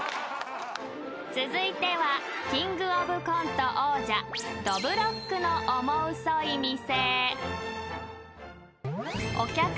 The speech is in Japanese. ［続いてはキングオブコント王者どぶろっくのオモウソい店］